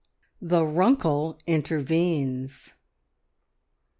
THE "RUNKLE" INTERVENES.